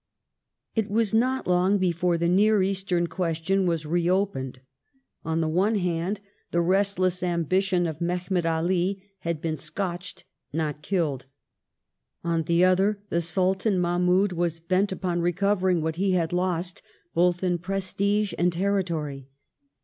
It was not long before the near Eastern question was reopened. Mehemet On the one hand, the restless ambition of Mehemet Ali had been ^'*^^^^" scotched, not killed. On the other, the Sultan Mahmoud was bent upon recovering what h^ had lost both in prestige and territory.